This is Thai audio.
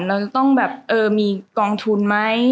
เราจะต้องมีกองทุนไหม